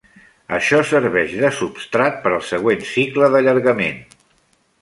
Això serveix de substrat per al següent cicle d'allargament.